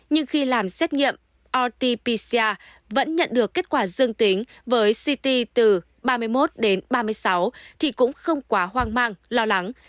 nhưng khi làm xét nghiệm rt pcr vẫn nhận được kết quả dương tính với ct từ ba mươi một đến ba mươi sáu thì cũng không quá hoang mang lo lắng